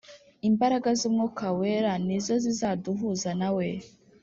Imbaraga z’umwuka wera nizo zizaduhuza nawe